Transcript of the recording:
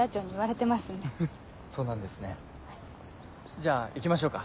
じゃあ行きましょうか。